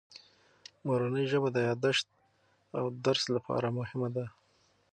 مورنۍ ژبه د یادښت او درس لپاره مهمه ده.